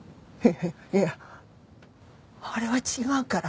いやあれは違うから。